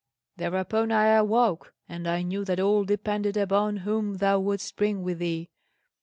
Thereupon I awoke; and I knew that all depended upon whom thou wouldst bring with thee.